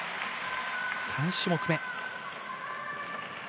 ３種目め。